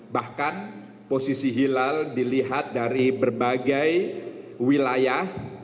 bahkan posisi hilal dilihat dari berbagai wilayah